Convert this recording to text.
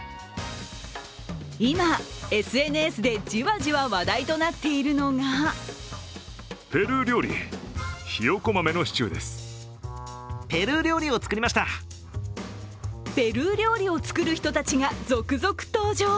今、ＳＮＳでじわじわ話題となっているのがペルー料理を作る人たちが続々登場。